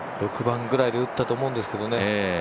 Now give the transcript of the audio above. ６番ぐらいで打ったと思うんですけどね。